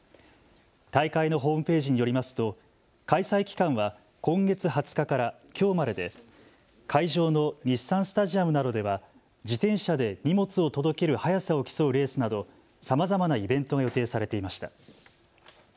大会のホームページによりますと開催期間は今月２０日からきょうまでで会場の日産スタジアムなどでは自転車で荷物を届ける速さを競うレースなどさまざまなイベントが予定されていました。